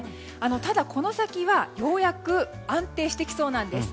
ただ、この先はようやく安定してきそうです。